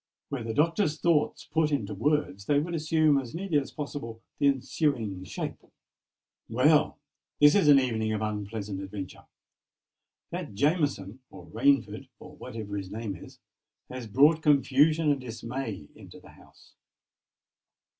Were the Doctor's thoughts put into words, they would assume as nearly as possible the ensuing shape:— "Well, this is an evening of unpleasant adventure! That Jameson, or Rainford, or whatever his name is, has brought confusion and dismay into the house.